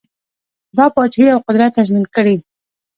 دا پاچهي او قدرت تضمین کړي.